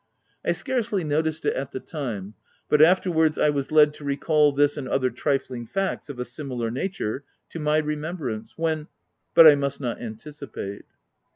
I scarcely noticed it at the time, but afterwards, I was led to recall this and other trifling facts, of a similar nature, to my remembrance, when — but I must not anticipate.